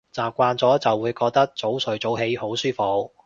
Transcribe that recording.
習慣咗就會覺得早睡早起好舒服